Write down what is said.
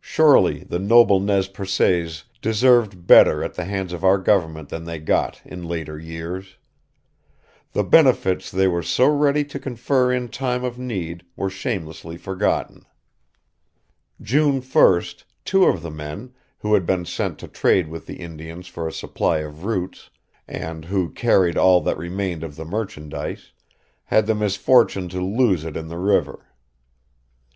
Surely the noble Nez Percés deserved better at the hands of our government than they got in later years. The benefits they were so ready to confer in time of need were shamelessly forgotten. June 1st two of the men, who had been sent to trade with the Indians for a supply of roots, and who carried all that remained of the merchandise, had the misfortune to lose it in the river.